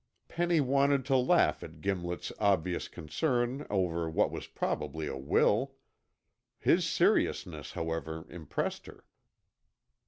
Penny wanted to laugh at Gimlet's obvious concern over what was probably a will. His seriousness, however, impressed her.